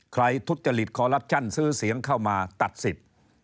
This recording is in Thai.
ทุจจริตคอลลับชั่นซื้อเสียงเข้ามาตัดสิทธิ์